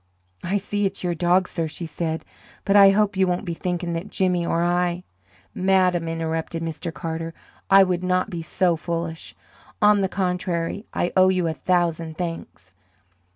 "I see it's your dog, sir," she said, "but I hope you won't be thinking that Jimmy or I " "Madam," interrupted Mr. Carter, "I could not be so foolish. On the contrary, I owe you a thousand thanks."